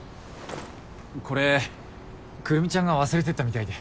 これくるみちゃんが忘れていったみたいで。